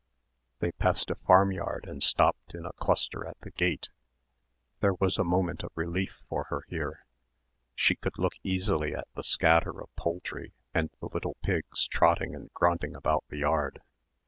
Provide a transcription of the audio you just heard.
They passed a farmyard and stopped in a cluster at the gate. There was a moment of relief for her here. She could look easily at the scatter of poultry and the little pigs trotting and grunting about the yard.